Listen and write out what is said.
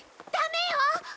ダメよ！